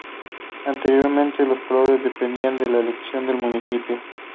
Anteriormente, los colores dependían de la elección del municipio.